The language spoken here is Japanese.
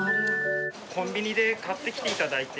コンビニで買ってきていただいて。